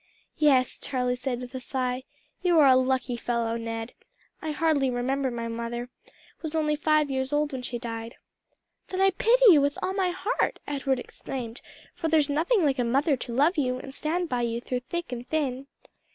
"Yes," Charlie said with a sigh, "you are a lucky fellow, Ned. I hardly remember my mother was only five years old when she died." "Then I pity you with all my heart!" Edward exclaimed; "for there's nothing like a mother to love you and stand by you through thick and thin."